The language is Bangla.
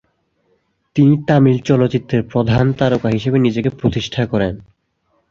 তিনি তামিল চলচ্চিত্রে প্রধান তারকা হিসাবে নিজেকে প্রতিষ্ঠা করেন।